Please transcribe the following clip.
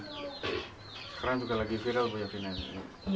sekarang juga lagi viral bu yantinya